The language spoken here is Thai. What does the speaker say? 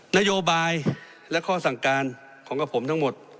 นโยบายและข้อสั่งการของกับผมทั้งหมด